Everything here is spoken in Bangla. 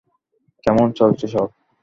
কেমন চলছে সব।